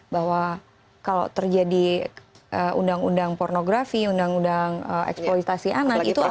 bahwa kalau terjadi undang undang pornografi undang undang eksploitasi anak itu